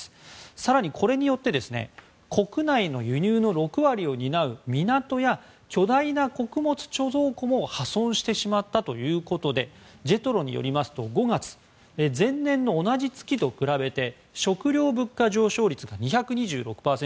更にこれにより国内の輸入の６割を担う港や巨大な穀物貯蔵庫も破損してしまったということでＪＥＴＲＯによりますと５月、前年の同じ月と比べ食料物価上昇率が２２６％